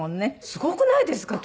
すごくないですか？